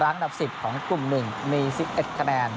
อันดับ๑๐ของกลุ่ม๑มี๑๑คะแนน